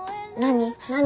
「何？